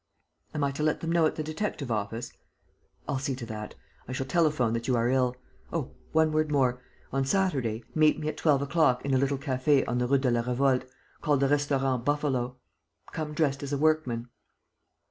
"Am I to let them know at the detective office?" "I'll see to that. I shall telephone that you are ill. Oh, one word more: on Saturday, meet me at twelve o'clock in a little café on the Route de la Revolte, called the Restaurant Buffalo. Come dressed as a workman."